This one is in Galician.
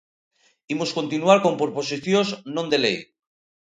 Imos continuar con proposicións non de lei.